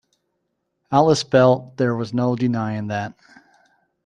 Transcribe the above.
Alice felt there was no denying that.